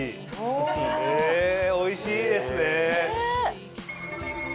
へぇおいしいですね！